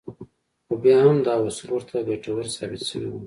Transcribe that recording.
خو بيا هم دا اصول ورته ګټور ثابت شوي وو.